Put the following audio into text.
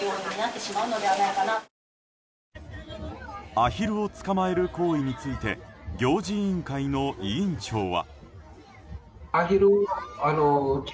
アヒルを捕まえる行為について行事委員会の委員長は。